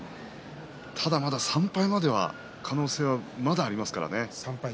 ただ、まだ３敗までは可能性は、まだありますからね。